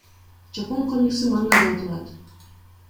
Жапон комикси манга деп аталат.